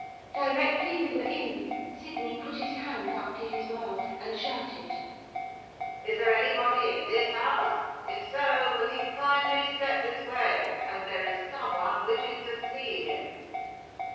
Directly we were in, Sydney put his hand up to his mouth, and shouted. 'Is there anybody in this house? If so, will he kindly step this way, as there is someone wishes to see him.